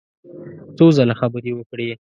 څو ځله خبرې وکړې.